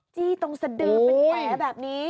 จี้ตรงสดือเป็นแผลแบบนี้